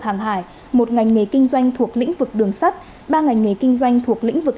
hàng hải một ngành nghề kinh doanh thuộc lĩnh vực đường sắt ba ngành nghề kinh doanh thuộc lĩnh vực